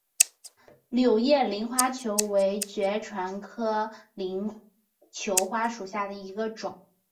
柳叶鳞球花为爵床科鳞球花属下的一个种。